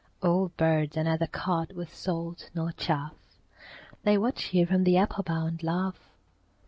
Old birds are neither caught with salt nor chaff: They watch you from the apple bough and laugh.